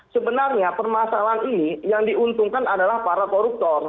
sebenarnya permasalahan ini yang diuntungkan adalah para koruptor